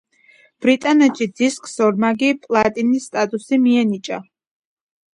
ბრიტანეთში დისკს ორმაგი პლატინის სტატუსი მიენიჭა.